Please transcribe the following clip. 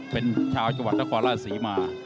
เป็นชาวจังหวัดนครราชศรีมา